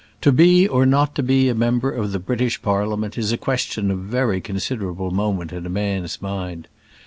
To be or not to be a member of the British Parliament is a question of very considerable moment in a man's mind.